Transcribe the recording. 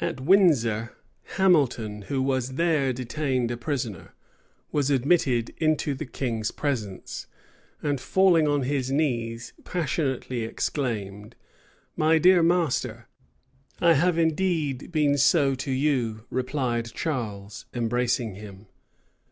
At Windsor, Hamilton, who was there detained a prisoner, was admitted into the king's presence: and falling on his knees, passionately exclaimed, "My dear master!" "I have indeed been so to you," replied Charles, embracing him.